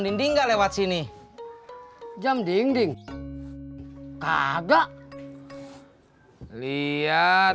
dinding enggak lewat sini jam dinding kagak lihat